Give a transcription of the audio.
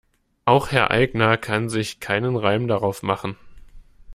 Auch Herr Aigner kann sich keinen Reim darauf machen.